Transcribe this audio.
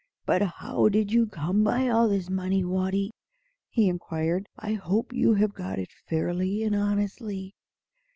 "But how did you come by all this money, Watty?" he inquired. "I hope you have got it fairly and honestly?"